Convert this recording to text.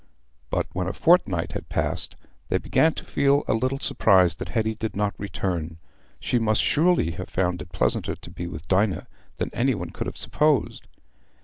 But when a fortnight had passed they began to feel a little surprise that Hetty did not return; she must surely have found it pleasanter to be with Dinah than any one could have supposed.